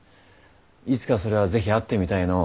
いつかそれは是非会ってみたいのう。